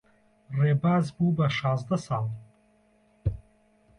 ڕێباز بوو بە شازدە ساڵ.